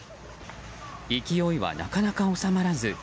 勢いはなかなか収まらず。